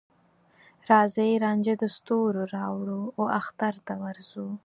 راځې رانجه د ستوروراوړو، واخترته ورځو